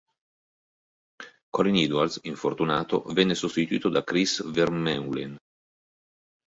Colin Edwards, infortunato, viene sostituito da Chris Vermeulen.